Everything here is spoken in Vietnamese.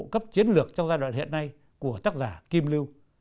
cấp chiến lược trong giai đoạn hiện nay của tác giả kim lưu